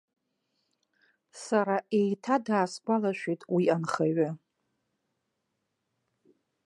Сара еиҭа даасгәалашәеит уи анхаҩы.